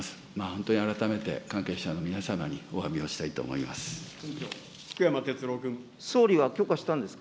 本当に改めて、関係者の皆様におわびをしたいと思います。